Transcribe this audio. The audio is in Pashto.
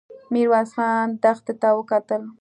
ميرويس خان دښتې ته وکتل.